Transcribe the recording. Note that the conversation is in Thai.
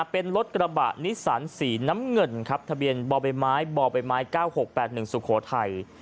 เป็นรถกระบะนิสสันสีน้ำเงินทะเบียนบไปไม้๙๖๘๑สุโขทัย